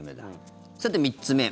さて、３つ目。